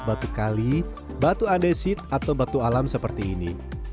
batu kali batu andesit atau batu alam seperti ini